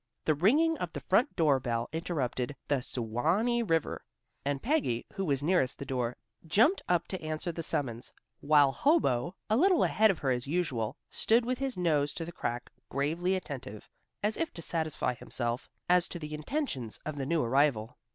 The ringing of the front door bell interrupted "The Suwannee River," and Peggy, who was nearest the door, jumped up to answer the summons, while Hobo, a little ahead of her as usual, stood with his nose to the crack, gravely attentive, as if to satisfy himself as to the intentions of the new arrival.